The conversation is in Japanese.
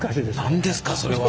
何ですかそれは。